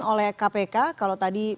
oleh kpk kalau tadi